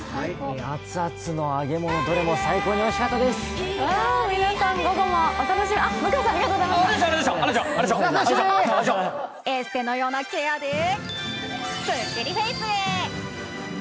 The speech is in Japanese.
熱々の揚げ物、どれも最高においしかったです。